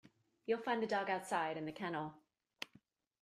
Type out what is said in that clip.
You'll find the dog outside, in the kennel